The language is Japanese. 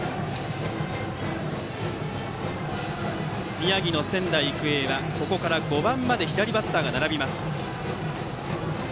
宮城の仙台育英はここから５番まで左バッターが並びます。